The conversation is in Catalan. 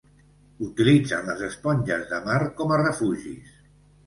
Utilitzen les esponges de mar com a refugis.